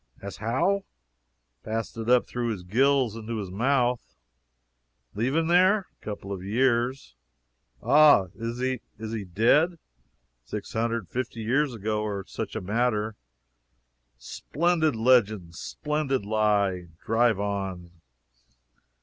"As how?" "Passed it up through his gills into his mouth." "Leave him there?" "Couple of years." "Ah is is he dead?" "Six hundred and fifty years ago, or such a matter." "Splendid legend splendid lie drive on."